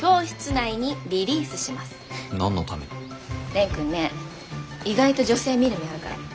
蓮くんね意外と女性見る目あるから。